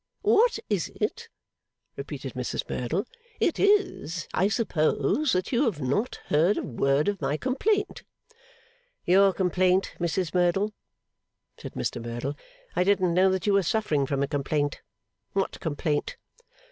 'What is it?' repeated Mrs Merdle. 'It is, I suppose, that you have not heard a word of my complaint.' 'Your complaint, Mrs Merdle?' said Mr Merdle. 'I didn't know that you were suffering from a complaint. What complaint?